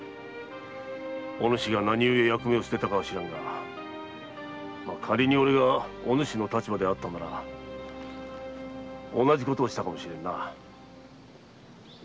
お主が何故役目を捨てたかは知らぬが仮に俺がお主の立場であったなら同じことをしたかもしれんな。